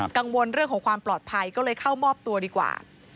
กังวลเรื่องของความปลอดภัยก็เลยเข้ามอบตัวดีกว่า